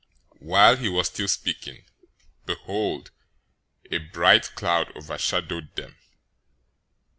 017:005 While he was still speaking, behold, a bright cloud overshadowed them.